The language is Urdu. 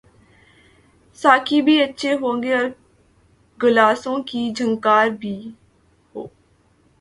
ساقی بھی اچھے ہوں اور گلاسوں کی جھنکار بھی ہو۔